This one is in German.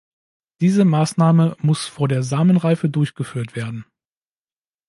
Diese Maßnahme muss vor der Samenreife durchgeführt werden.